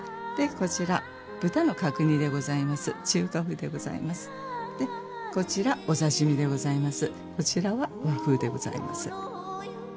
こちらは和風でございます。